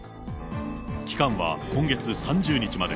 期間は今月３０日まで。